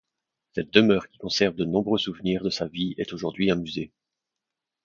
Cette demeure qui conserve de nombreux souvenirs de sa vie est aujourd'hui un musée.